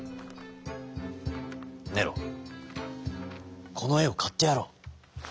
「ネロこのえをかってやろう。